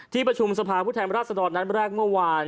ที่ประชุมสภาพุทธแทนรัฐศดรนั้นได้ออกเมื่อวาน